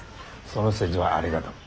その節はありがとう。